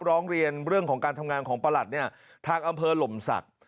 ร้องเรียนเรื่องของการทำงานของประหลัดเนี่ยทางอำเภอหล่มศักดิ์